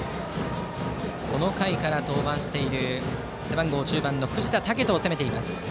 この回から登板している背番号１０番の藤田健人を攻めています。